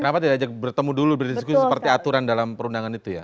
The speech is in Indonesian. kenapa tidak ajak bertemu dulu berdiskusi seperti aturan dalam perundangan itu ya